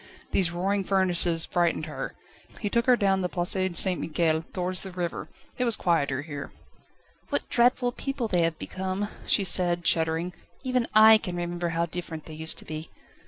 These roaring furnaces frightened her; he took her down the Place St Michel, towards the river. It was quieter here. "What dreadful people they have become," she said, shuddering; "even I can remember how different they used to be."